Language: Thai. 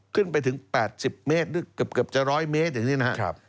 ขึ้นไปถึง๘๐เมตรหรือเกือบจะ๑๐๐เมตรอย่างนี้นะครับ